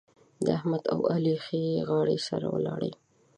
د احمد او علي ښې غاړې سره ولاړې.